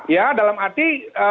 ya dalam arti